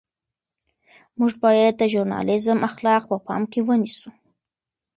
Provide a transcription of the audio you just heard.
موږ باید د ژورنالیزم اخلاق په پام کې ونیسو.